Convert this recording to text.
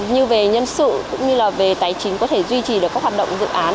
như về nhân sự cũng như là về tài chính có thể duy trì được các hoạt động dự án